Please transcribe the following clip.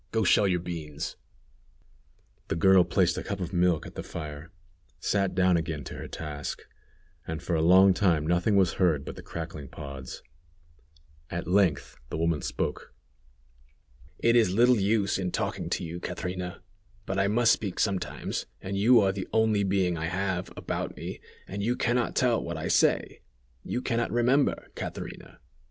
Go shell your beans." The girl placed a cup of milk at the fire, sat down again to her task, and, for a long time, nothing was heard but the crackling pods. At length the woman spoke. "It is little use in talking to you, Catrina: but I must speak sometimes, and you are the only being I have, about me, and you can not tell what I say. You can not remember, Catrina!